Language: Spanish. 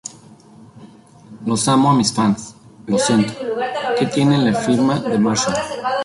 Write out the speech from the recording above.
Los amo a mis fans, Lo siento"" que tiene le firma de Marshall.